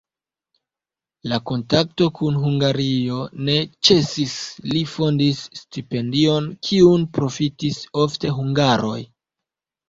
La kontakto kun Hungario ne ĉesis, li fondis stipendion, kiun profitis ofte hungaroj.